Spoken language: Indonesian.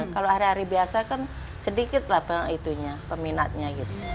kalau hari hari biasa kan sedikit lah itu peminatnya